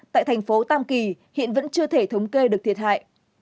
tại thành phố tam kỳ hiện vẫn chưa thể thống kê được thiệt hại